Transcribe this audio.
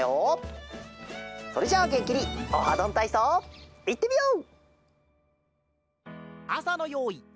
それじゃあげんきに「オハどんたいそう」いってみよう！